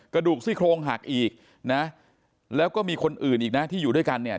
กระดูกซี่โครงหักอีกนะแล้วก็มีคนอื่นอีกนะที่อยู่ด้วยกันเนี่ย